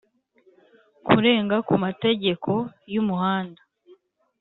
kurenga ku mategeko y umuhanda